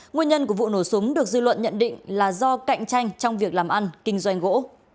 nguyên nhân của vụ nổ súng được dư luận nhận định là do cạnh tranh trong việc làm ăn kinh doanh gỗ